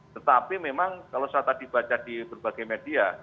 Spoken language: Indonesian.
tetapi memang kalau saya tadi baca di berbagai media